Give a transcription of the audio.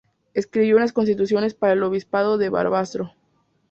Escribió unas constituciones para el obispado de Barbastro.